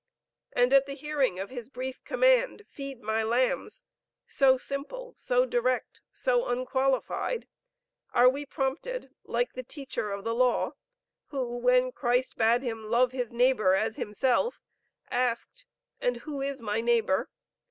And at the hearing of His brief command, 'Feed my lambs,' so simple, so direct, so unqualified, are we prompted like the teacher of the law who, when Christ bade him love his neighbor as himself, asked, 'And who is my neighbor?'